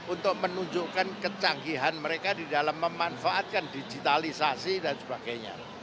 untuk menunjukkan kecanggihan mereka di dalam memanfaatkan digitalisasi dan sebagainya